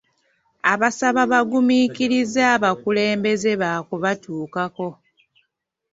Abasaba bagumiikirize abakulembeze baakubatuukako.